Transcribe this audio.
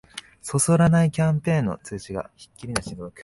そそらないキャンペーンの通知がひっきりなしに届く